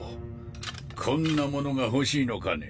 こんなものが欲しいのかね。